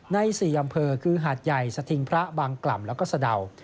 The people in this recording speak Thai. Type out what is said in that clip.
ใน๔อำเภอคือหาดใหญ่สถิงพระบางกล่ำแล้วก็สะดาว